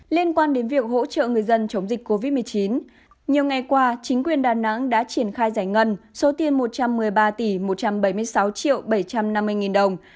liên quan đến việc hỗ trợ người dân chống dịch covid một mươi chín nhiều ngày qua chính quyền đà nẵng đã triển khai giải ngân số tiền một trăm một mươi ba tỷ một trăm bảy mươi sáu triệu bảy trăm năm mươi nghìn đồng